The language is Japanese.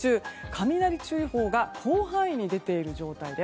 雷注意報が広範囲に出ています。